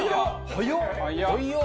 早っ！